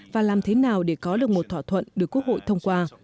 và làm thế nào để có được một thỏa thuận được quốc hội thông qua